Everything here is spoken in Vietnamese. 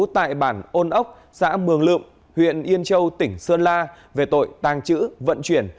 tại bản ôn ốc xã mường lượm huyện yên châu tỉnh sơn la về tội tàng trữ vận chuyển